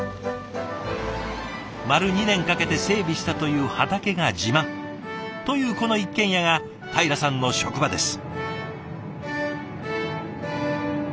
丸２年かけて整備したという畑が自慢！というこの一軒家がたいらさんの職場です。